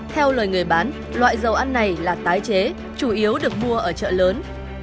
theo lời người bán loại dầu ăn này là tái chế chủ yếu được mua ở chợ lớn